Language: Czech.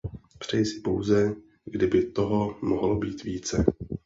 Přeji si pouze, kdyby toho mohlo být více.